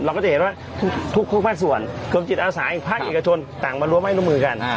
เราก็จะเห็นว่าทุกมากใส่ส่วนเกราะอย่างจิตอาสาทภาคเอกชนต่างมารวมมาให้ร่วมมือกัน